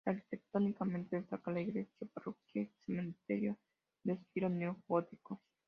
Arquitectónicamente destaca la iglesia parroquial y su cementerio, de estilo neogótico.